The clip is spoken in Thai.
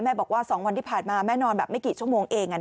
บอกว่า๒วันที่ผ่านมาแม่นอนแบบไม่กี่ชั่วโมงเอง